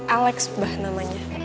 alex bah namanya